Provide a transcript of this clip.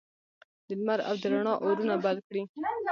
د لمر او د روڼا اورونه بل کړي